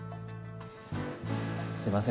すいません